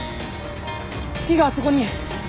月があそこに！